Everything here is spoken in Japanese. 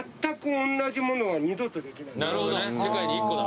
なるほどね世界に１個だ。